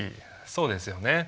そうですよね。